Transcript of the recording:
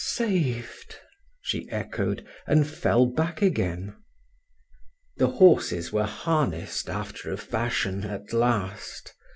"Saved!" she echoed, and fell back again. The horses were harnessed after a fashion at last.